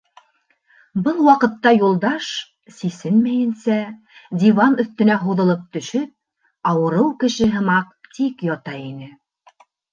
Был ваҡытта Юлдаш, сисенмәйенсә, диван өҫтөнә һуҙылып төшөп, ауырыу кеше һымаҡ, тик ята ине.